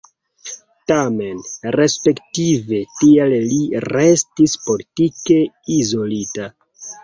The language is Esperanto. Tamen respektive tial li restis politike izolita.